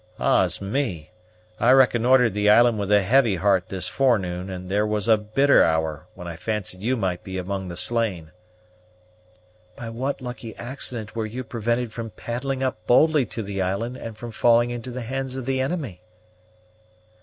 Ah's me! I reconnoitred the island with a heavy heart this forenoon; and there was a bitter hour when I fancied you might be among the slain." "By what lucky accident were you prevented from paddling up boldly to the island and from falling into the hands of the enemy?"